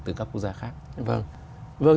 từ các quốc gia khác vâng